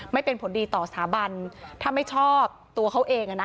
ไม่เป็นผลดีต่อสถาบันถ้าไม่ชอบตัวเขาเองอ่ะนะ